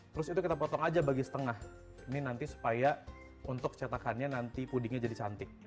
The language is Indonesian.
terus itu kita potong aja bagi setengah ini nanti supaya untuk cetakannya nanti pudingnya jadi cantik